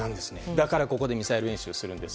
だからここでミサイル演習するんです。